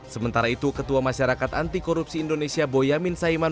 sementara itu ketua masyarakat antikorupsi indonesia bonyamin saiman